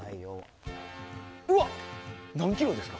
うわっ、何キロですか？